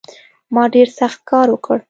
ما ډېر سخت کار وکړ